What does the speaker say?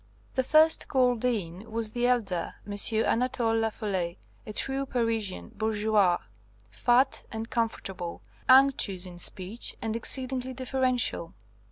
The first called in was the elder, M. Anatole Lafolay, a true Parisian bourgeois, fat and comfortable, unctuous in speech, and exceedingly deferential.